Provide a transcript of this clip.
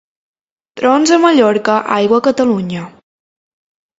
Trons a Mallorca, aigua a Catalunya.